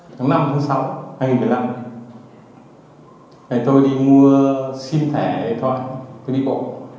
tháng năm tháng sáu hai nghìn một mươi năm tôi đi mua xin thẻ thôi tôi đi bộ